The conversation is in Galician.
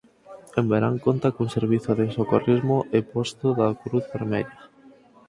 En verán conta con servizo de socorrismo e posto da Cruz Vermella.